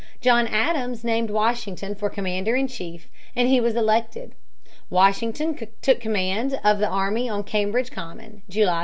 John Adams named Washington for commander in chief, and he was elected. Washington took command of the army on Cambridge Common, July 3, 1775.